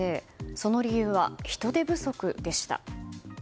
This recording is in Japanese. その理由は人手不足でした。